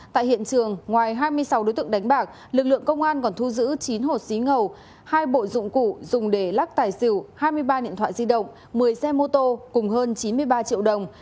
tại hiện trường ngoài hai mươi sáu đối tượng đánh bạc lực lượng công an còn thu giữ chín hột xí ngầu hai bộ dụng cụ dùng để lắc tài xỉu hai mươi ba điện thoại di động một mươi xe mô tô cùng hơn chín mươi ba triệu đồng